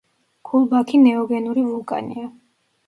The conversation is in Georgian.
ქულბაქი ნეოგენური ვულკანია.